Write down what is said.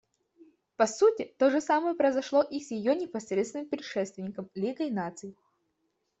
По сути, то же самое произошло и с ее непосредственным предшественником — Лигой Наций.